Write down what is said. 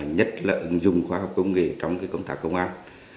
nhất là ứng dụng khoa học công nghệ trong công tác công an